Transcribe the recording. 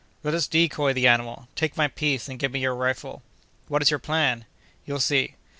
"Let us decoy the animal. Take my piece, and give me your rifle." "What is your plan?" "You'll see."